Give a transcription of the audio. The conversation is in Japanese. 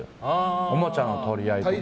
おもちゃの取り合いとか。